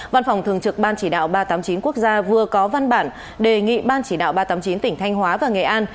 văn phòng thường trực ban chỉ đạo ba trăm tám mươi chín quốc gia vừa có văn bản đề nghị ban chỉ đạo ba trăm tám mươi chín tỉnh thanh hóa và nghệ an